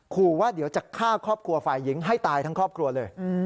ขู่ว่าเดี๋ยวจะฆ่าครอบครัวฝ่ายหญิงให้ตายทั้งครอบครัวเลย